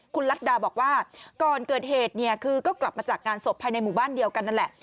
คุณลักดาบอกว่าก่อนเกิดเหตุเนี่ยคือก็กลับมาจากงานศพภายในหมู่บ้านเดียวกันนั่นแหละ